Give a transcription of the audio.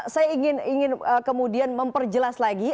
saya ingin kemudian memperjelas lagi